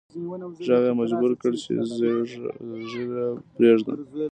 ږغ یې مجبور کړ چې ږیره پریږدي